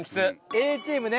Ａチームね。